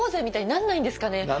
みたいになんないんですかね？